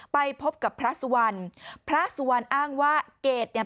ไปพบกับพระสุวรรณพระสุวรรณอ้างว่าเกรดเนี่ย